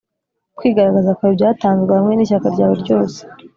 kwigaragaza kwawe byatanzwe hamwe nishyaka ryawe ryose.